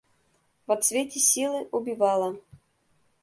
Во цвете силы — убивала...